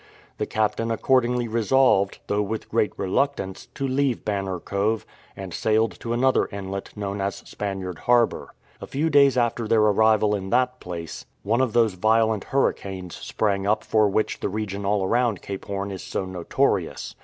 The Captain accordingly resolved, though with great reluctance, to leave Banner Cove, and sailed to another inlet known as Spaniard Harbour. A few days after their arrival in that place, one of those violent hurricanes sprang up for which the region all around Cape Horn is so notorious.